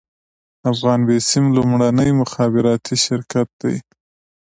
افغان بیسیم لومړنی مخابراتي شرکت دی